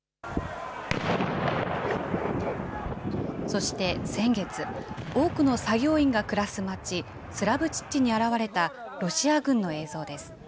そして先月、多くの作業員が暮らす町、スラブチッチに現れたロシア軍の映像です。